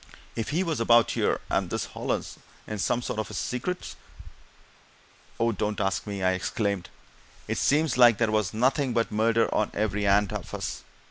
"If he was about here, and this Hollins was in some of his secrets ?" "Oh, don't ask me!" I exclaimed. "It seems like there was nothing but murder on every hand of us!